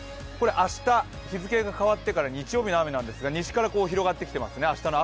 明日、日付が変わってから日曜日の雨なんですが西から広がってきていますね。